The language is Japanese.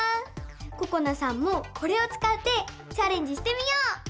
ここなさんもこれをつかってチャレンジしてみよう！